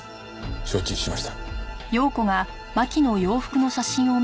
承知しました。